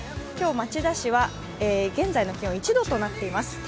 今日、町田市は現在の気温１度となっています。